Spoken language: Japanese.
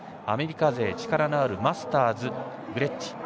アメリカ勢の力のあるマスターズ、グレッチ